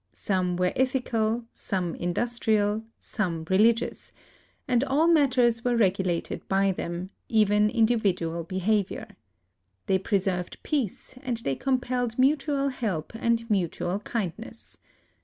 Some were ethical, some industrial, some religious ; and all mat ters were regulated by them, — even individ ual behavior. They preserved peace, and they compelled mutual help and mutual kind ness.